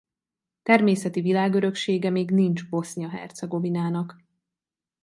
Természeti világöröksége még nincs Bosznia-Hercegovinának.